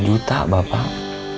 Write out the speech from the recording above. empat puluh juta bapak